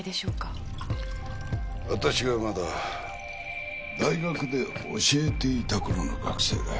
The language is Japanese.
私がまだ大学で教えていた頃の学生だよ。